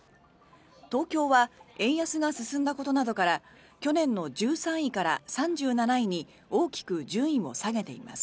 東京は円安が進んだことなどから去年の１３位から３７位に大きく順位を下げています。